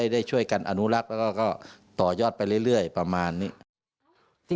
ได้ช่วยกันอนุรักษ์แล้วก็ต่อยอดไปเรื่อยประมาณนี้